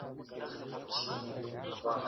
¬ انسان تر کاڼي کلک، تر گل نازک دئ.